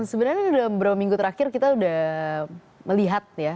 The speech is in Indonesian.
sebenarnya dalam beberapa minggu terakhir kita sudah melihat ya